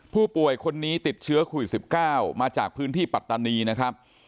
ผู้ป่วยคนนี้ติดเชื้อโควิด๑๙มาจากพื้นที่ปัตตานีนะครับ